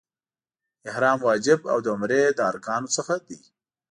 احرام واجب او د عمرې له ارکانو څخه دی.